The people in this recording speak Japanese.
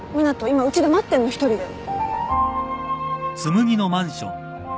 今うちで待ってるの一人で。